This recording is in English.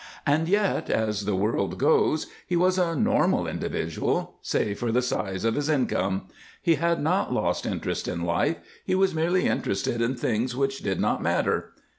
And yet, as the world goes, he was a normal individual, save for the size of his income. He had not lost interest in life; he was merely interested in things which did not matter.